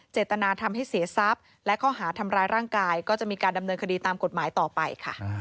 เจตนาทำให้เสียทรัพย์และข้อหาทำร้ายร่างกายก็จะมีการดำเนินคดีตามกฎหมายต่อไปค่ะ